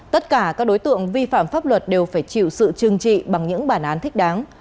tất cả các đối tượng vi phạm pháp luật đều phải chịu sự trừng trị bằng những bản án thích đáng